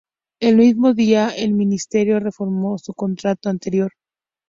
El mismo día el Ministerio reformó su contrato anterior.